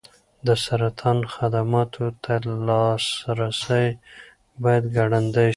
د سرطان خدماتو ته لاسرسی باید ګړندی شي.